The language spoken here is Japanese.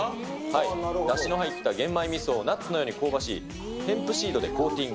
だしの入った玄米みそをナッツのように香ばしいヘンプシードでコーティング。